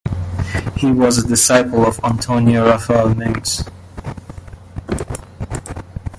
He was a disciple of Antonio Rafael Mengs.